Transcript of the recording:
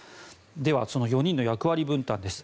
ではその４人の役割分担です。